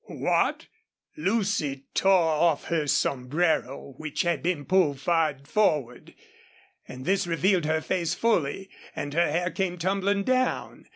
"What!" Lucy tore off her sombrero, which had been pulled far forward, and this revealed her face fully, and her hair came tumbling down.